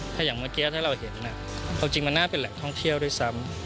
ถ้าอย่างเมื่อกี้ถ้าเราเห็นความจริงมันน่าเป็นแหล่งท่องเที่ยวด้วยซ้ำ